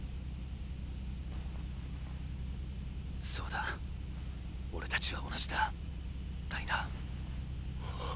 そうだ俺たちは同じだライナー。！